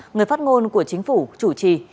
người phát ngôn của chính phủ chủ trì